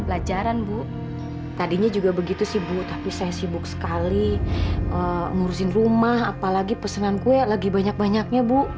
pelajaran bu tadinya juga begitu sih bu tapi saya sibuk sekali ngurusin rumah apalagi pesanan kue lagi banyak banyaknya bu